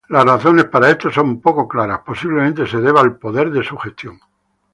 Las razones para esto son poco claras, posiblemente se deba al "poder de sugestión".